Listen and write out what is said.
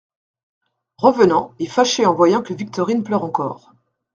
Revenant, et fâché en voyant que Victorine pleure encore.